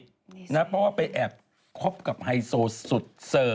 เพราะว่าไปแอบคบกับไฮโซสุดเซอร์